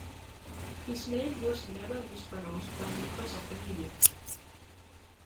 His name was never mispronounced by members of the media.